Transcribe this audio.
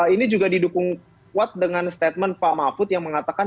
ini juga didukung kuat dengan statement pak mahfud yang mengatakan